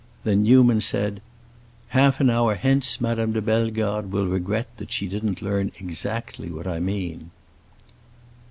Then Newman said, "Half an hour hence Madame de Bellegarde will regret that she didn't learn exactly what I mean."